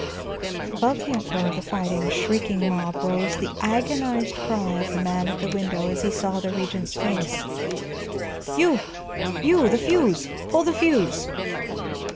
Above the uproar of the fighting, shrieking mob rose the agonized cry of the man at the window as he saw the Regent's face: "You! You! The fuse, pull the fuse!"